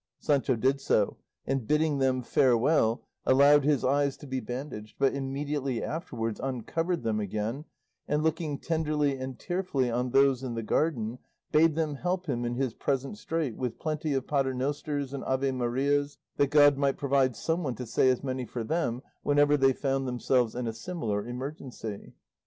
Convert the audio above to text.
Sancho did so, and, bidding them farewell, allowed his eyes to be bandaged, but immediately afterwards uncovered them again, and looking tenderly and tearfully on those in the garden, bade them help him in his present strait with plenty of Paternosters and Ave Marias, that God might provide some one to say as many for them, whenever they found themselves in a similar emergency.